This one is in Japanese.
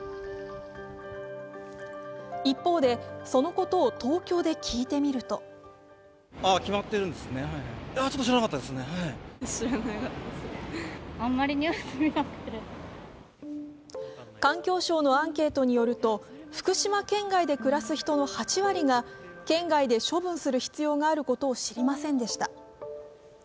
一方で、そのことを東京で聞いてみると環境省のアンケートによると、福島県外で暮らす人の８割が県外で処分する必要があることを知りませんでした。